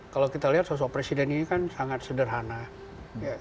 kalau kita lihat sosok presiden ini kan sangat sederhana